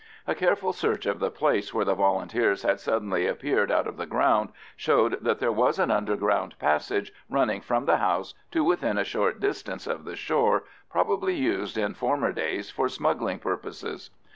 A careful search of the place where the Volunteers had suddenly appeared out of the ground showed that there was an underground passage running from the house to within a short distance of the shore, probably used in former days for smuggling purposes.